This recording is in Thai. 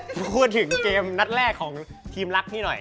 พูดถึงเกมนัดแรกของทีมรักพี่หน่อย